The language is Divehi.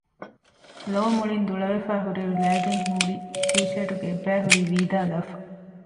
ލޯ މުޅިން ދުޅަވެފަ ހުރި އިރު ލައިގެން ހުރި ޓީޝާޓުގެ އެއްބައި ހުރީ ވީދާލާފަ